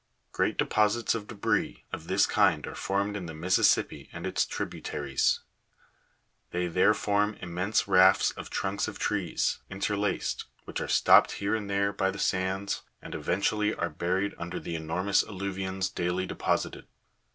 Great deposits of debris of this kind are formed in the Mississippi and its tributaries ; they there form immense rafts of trunks of trees, interlaced, which are stopped here and there by the sands, and finally are buried under the enormous alluvions daily deposited.